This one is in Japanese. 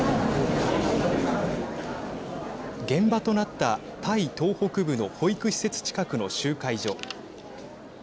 現場となったタイ東北部の保育施設近くの集会所。